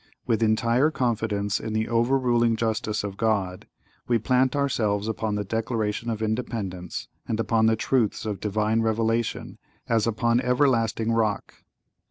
With entire confidence in the overruling justice of God, we plant ourselves upon the Declaration of Independence, and upon the truths of Divine Revelation, as upon everlasting rock.